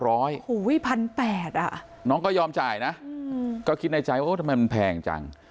โอ้โหว้ย๑๘๐๐อ่ะน้องก็ยอมจ่ายนะก็คิดในใจว่ามันแพงจัง